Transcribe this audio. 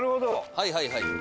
はいはいはい。